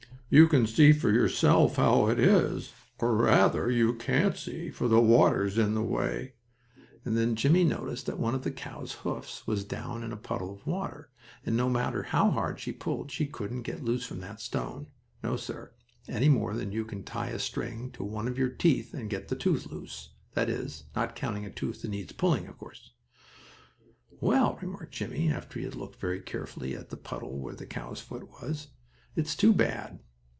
"You can see for yourself how it is, or, rather, you can't see, for the water is in the way," and then Jimmie noticed that one of the cow's hoofs was down in a puddle of water, and no matter how hard she pulled she couldn't get loose from that stone; no, sir, any more than you can tie a string to one of your teeth and get the tooth loose that is, not counting a tooth that needs pulling, of course. "Well," remarked Jimmie, after he had looked very carefully at the puddle where the cow's foot was, "it's too bad."